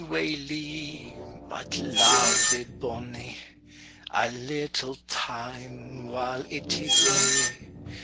O waly, waly, but love be bonnie A little time while it is new!